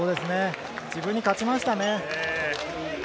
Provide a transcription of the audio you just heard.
自分に勝ちましたね。